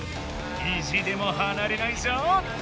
意地でもはなれないぞ！